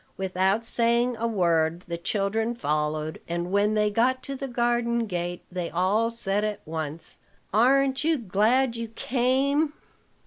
Without saying a word, the children followed; and, when they got to the garden gate, they all said at once: "Aren't you glad you came?"